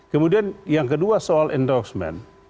kemudian yang kedua soal endorsement